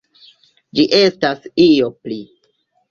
Ĝi estas io pli.